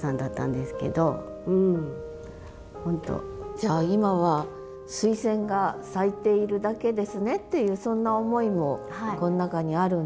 じゃあ今は「スイセンが咲いているだけですね」っていうそんな思いもこの中にあるんですね。